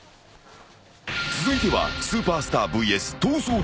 続いては「スーパースターＶＳ逃走中」